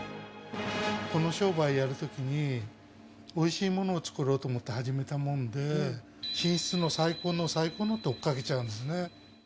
この商売やるときに、おいしいものを作ろうと思って始めたもんで、品質の最高の、最高のって追っかけちゃうんですね。